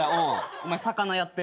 お前魚やって。